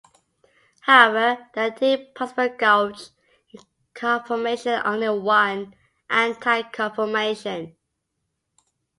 However, there are two possible gauche conformations and only one anti conformation.